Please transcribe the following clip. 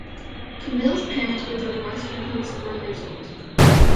Camil's parents were divorced when he was four years old.